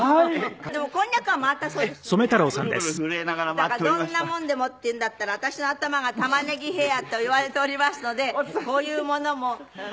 だからどんなもんでもって言うんだったら私の頭が玉ねぎヘアと言われておりますのでこういうものも回りますかしらね？